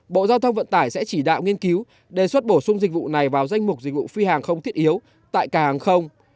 bộ giao thông vận tải sẽ chỉ đạo nghiên cứu đề xuất bổ sung dịch vụ này vào danh mục dịch vụ phi hàng không thiết yếu tại càng hàng không